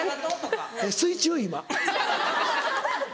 水中今。